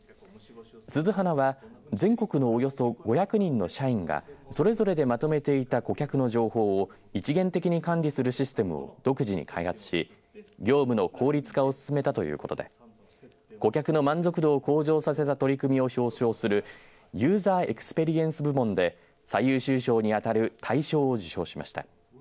鈴花は全国のおよそ５００人の社員がそれぞれでまとめていた顧客の情報を一元的に管理するシステムを独自に開発し業務の効率化を進めたということで顧客の満足度を向上させた取り組みを表彰するユーザーエクスペリエンス部門で最優秀賞に当たる大賞を受賞しました。